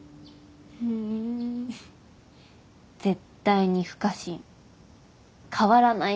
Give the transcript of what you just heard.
ふーん絶対に不可侵変わらない